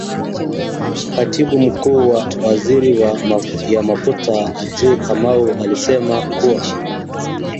Katibu Mkuu wa Wizara ya Mafuta Andrew Kamau alisema kuwa